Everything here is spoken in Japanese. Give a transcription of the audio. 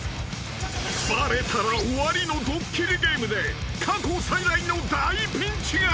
［バレたら終わりのドッキリゲームで過去最大の大ピンチが］